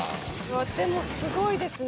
でもすごいですね。